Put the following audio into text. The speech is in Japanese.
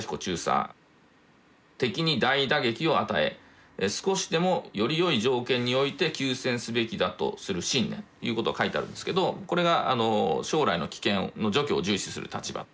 「敵に大打撃を与え少しでもよりよい条件において休戦すべきだとする信念」ということが書いてあるんですけどこれが「将来の危険の除去」を重視する立場。